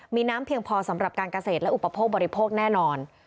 มีน้ำเพียงพอสำหรับการเกษตรและอุปโภคบริโภคแน่นอน